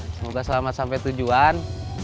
semoga selamat sampai tujuan